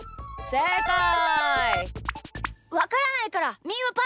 せいかい！